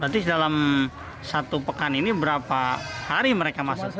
berarti dalam satu pekan ini berapa hari mereka masuk